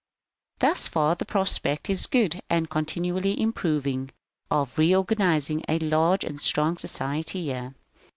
... Thus far the prospect is good and continually improving of reorganizing a large and strong society here.